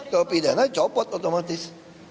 kalau pidangain copot otomatis